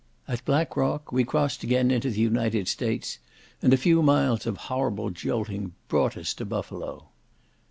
At Black Rock we crossed again into the United States, and a few miles of horrible jolting brought us to Buffalo.